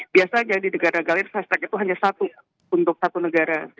biasa yang di negara negara ini fast track itu hanya satu untuk satu negara